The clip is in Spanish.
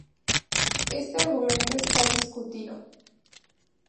Este argumento está discutido.